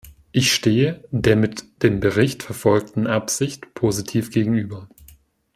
Ich stehe der mit dem Bericht verfolgten Absicht positiv gegenüber.